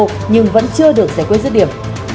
nhưng vẫn chưa được giải quyết rứt điểm